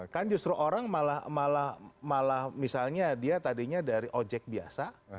kan justru orang malah misalnya dia tadinya dari ojek biasa